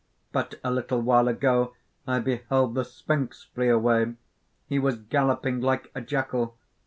But a little while ago I beheld the Sphinx flee away. He was galloping like a jackal.